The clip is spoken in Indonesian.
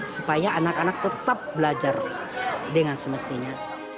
supaya anak anak tetap belajar dengan semestinya